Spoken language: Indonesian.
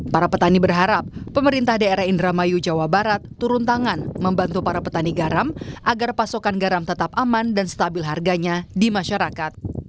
para petani berharap pemerintah daerah indramayu jawa barat turun tangan membantu para petani garam agar pasokan garam tetap aman dan stabil harganya di masyarakat